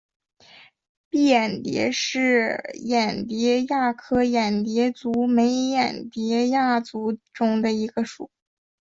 蔽眼蝶属是眼蝶亚科眼蝶族眉眼蝶亚族中的一个属。